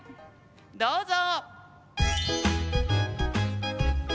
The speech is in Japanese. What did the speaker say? どうぞ。